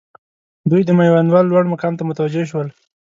دوی د میوندوال لوړ مقام ته متوجه شول.